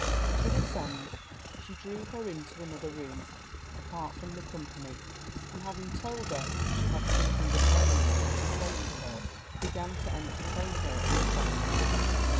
To this end, she drew her into another room, apart from the company; and having told her she had something of moment to say to her, began to entertain her in the following manner.